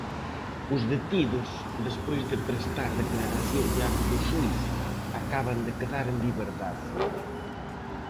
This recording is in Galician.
Os detidos, despois de prestar declaración diante do xuíz, acaban de quedar en liberdade.